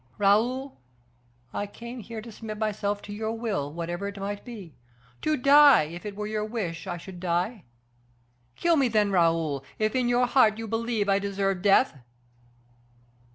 Raoul, I came here to submit myself to your will, whatever it might be to die, if it were your wish I should die. Kill me, then, Raoul! if in your heart you believe I deserve death."